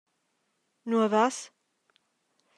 Nua vas?